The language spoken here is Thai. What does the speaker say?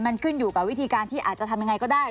มันขึ้นอยู่กับวิธีการที่อาจจะทำยังไงก็ได้